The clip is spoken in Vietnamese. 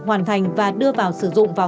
hoàn thành và đưa vào sử dụng vào